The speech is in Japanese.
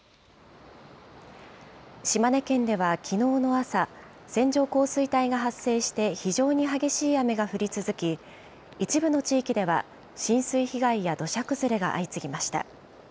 島根県ではきのうの朝、線状降水帯が発生して非常に激しい雨が降り続き、一部の地域では浸水被害や土砂崩れが相次ぎました。